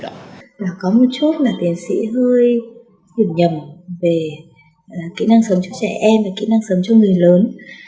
đó là có một chút là tiến sĩ hơi hiểu nhầm về kỹ năng sống cho trẻ em và kỹ năng sống cho người lớn